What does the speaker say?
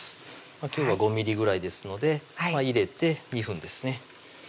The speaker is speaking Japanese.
今日は５ｍｍぐらいですので入れて２分ですね